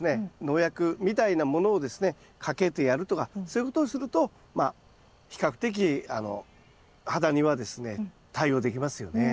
農薬みたいなものをですねかけてやるとかそういうことをするとまあ比較的ハダニはですね対応できますよね。